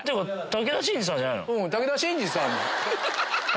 武田真治さんや。